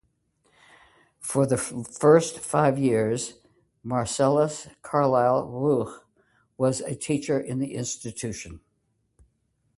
For the first five years, Marcellus Carlyle Rux was a teacher in the institution.